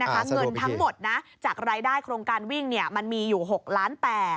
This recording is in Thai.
เงินทั้งหมดจากรายได้โครงการวิ่งมันมีอยู่๖ล้าน๘